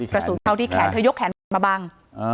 กระสุนเข้าที่แขนเธอยกแขนปวดมาบัง